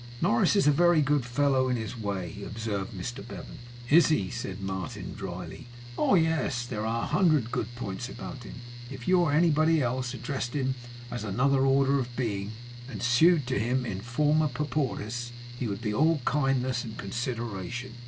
'Norris is a very good fellow in his way,' observed Mr Bevan. 'Is he?' said Martin drily. 'Oh yes! there are a hundred good points about him. If you or anybody else addressed him as another order of being, and sued to him IN FORMA PAUPERIS, he would be all kindness and consideration.